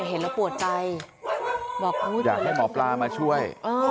เห็นแล้วปวดใจบอกอยากให้หมอปลามาช่วย